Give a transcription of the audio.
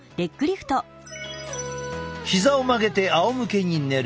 膝を曲げてあおむけに寝る。